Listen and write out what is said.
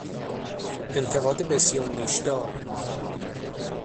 انتقاد بسیار نیشدار